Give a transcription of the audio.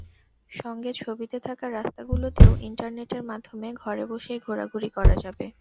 সঙ্গে ছবিতে থাকা রাস্তাগুলোতেও ইন্টারনেটের মাধ্যমে ঘরে বসেই ঘোরাঘুরি করা যাবে।